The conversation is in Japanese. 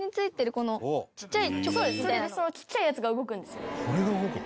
そうですそのちっちゃいやつが動くんですよ。